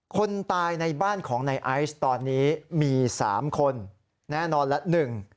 คนตายในบ้านของนายไอซ์ตอนนี้มี๓คนแน่นอนแล้ว